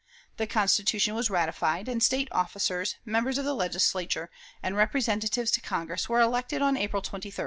The Constitution was ratified, and State officers, members of the Legislature, and representatives to Congress were elected on April 23d.